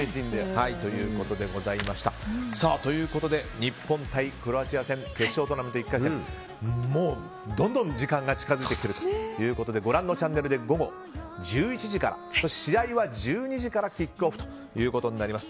日本対クロアチア戦決勝トーナメント１回戦もうどんどん時間が近づいてきているということでご覧のチャンネルで午後１１時から試合は１２時からキックオフとなります。